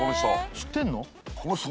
知ってんの？